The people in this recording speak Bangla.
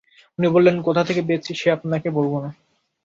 উনি বললেন, কোথা থেকে পেয়েছি সে আপনাকে বলব না।